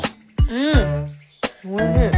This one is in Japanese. うんおいしい。